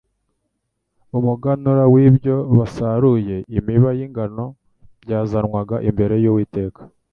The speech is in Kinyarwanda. umuganura w'ibyo basaruye, imiba y'ingano, byazanwaga imbere y'Uwiteka.